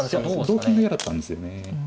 同金も嫌だったんですよね。